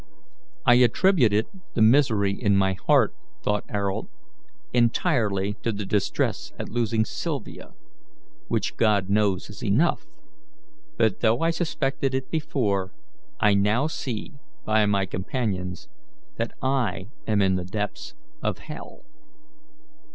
"I attributed the misery in my heart," thought Ayrault, "entirely to the distress at losing Sylvia, which God knows is enough; but though I suspected it before, I now see, by my companions, that I am in the depths of hell."